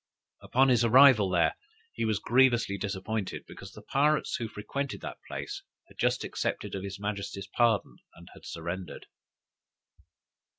Upon his arrival there, he was grievously disappointed, because the pirates who frequented that place had just accepted of his majesty's pardon, and had surrendered.